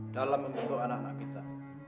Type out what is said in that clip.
dalam untuk anak anak kita